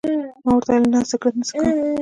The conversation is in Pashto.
ما ورته وویل: نه، سګرېټ نه څکوم.